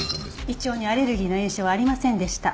胃腸にアレルギーの炎症はありませんでした。